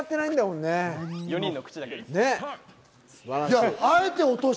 ４人の口だけです。